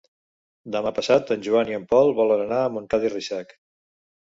Demà passat en Joan i en Pol volen anar a Montcada i Reixac.